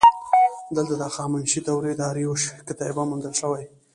دلته د هخامنشي دورې د داریوش کتیبه موندل شوې